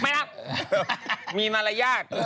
ไม่รับมีมารยาท